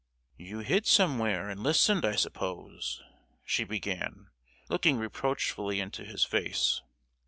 "You hid somewhere, and listened, I suppose?" she began, looking reproachfully into his face.